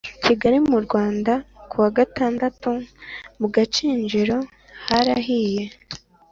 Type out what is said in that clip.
Kigali mu Rwanda ku wa gatandatu mu gakinjiro harahiye